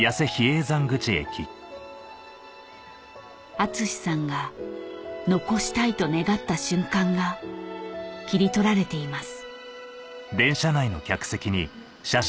厚さんが残したいと願った瞬間が切り取られています